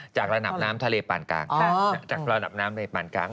จากระดับน้ำทะเลปานกลาง